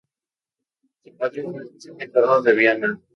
Su padre fue el príncipe Carlos de Viana.